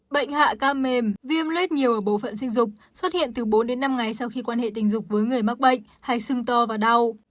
bệnh hạ ca mềm viêm lết nhiều ở bộ phận sinh dục xuất hiện từ bốn đến năm ngày sau khi quan hệ tình dục với người mắc bệnh hay sưng to và đau